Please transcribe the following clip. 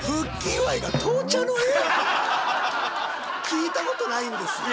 聞いたことないんですよ。